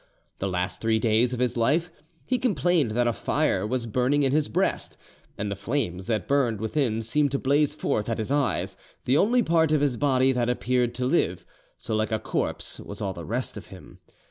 The last three days of his life he complained that a fire was burning in his breast, and the flames that burned within seemed to blaze forth at his eyes, the only part of his body that appeared to live, so like a corpse was all the rest of him.